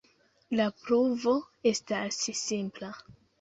La pruvo estas simpla.